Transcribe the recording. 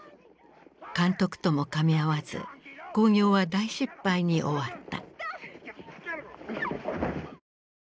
監督ともかみ合わず興行は大失敗に終わった。